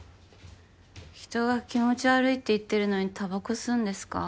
人が気持ち悪いって言ってるのにたばこ吸うんですか？